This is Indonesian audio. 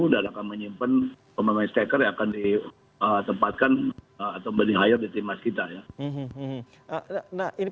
dan akan menyimpan pemain striker yang akan ditempatkan atau dikhair ke tim nasional kita